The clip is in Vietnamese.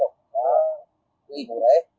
đã quy thủ để